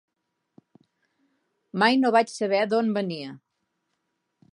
Mai no vaig saber d'on venia.